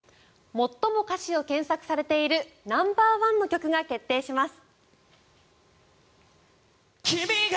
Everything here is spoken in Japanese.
最も歌詞を検索されているナンバーワンの曲が決定します。